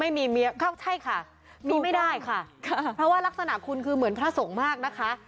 ไม่มีเมียเข้าใช่ค่ะมีไม่ได้ค่ะเพราะว่ารักษณะคุณคือเหมือนพระสงฆ์มากนะคะ